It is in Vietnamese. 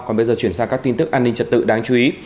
còn bây giờ chuyển sang các tin tức an ninh trật tự đáng chú ý